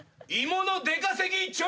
芋の出稼ぎ１丁！